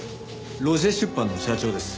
ロジェ出版の社長です。